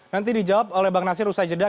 nanti dijawab oleh bang nasir usai jeda